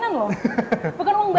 bukan uang barbie